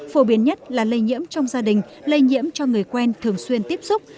phổ biến nhất là lây nhiễm trong gia đình lây nhiễm cho người quen thường xuyên tiếp xúc